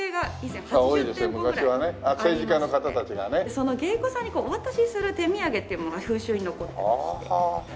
その芸妓さんにお渡しする手土産っていうものが風習に残ってまして。